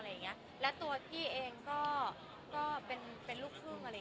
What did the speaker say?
และตัวอักกี้เองก็เป็นลูกพึ่ง